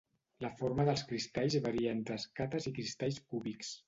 La forma dels cristalls varia entre escates i cristalls cúbics.